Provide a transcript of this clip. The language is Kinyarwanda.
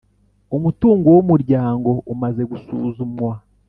umutungo w Umuryango umaze gusuzumwa